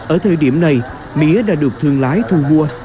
ở thời điểm này mía đã được thương lái thu mua